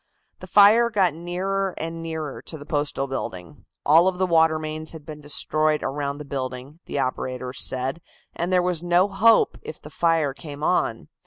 The fire got nearer and nearer to the Postal building. All of the water mains had been destroyed around the building, the operators said, and there was no hope if the fire came on.